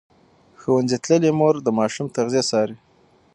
ښوونځې تللې مور د ماشوم تغذیه څاري.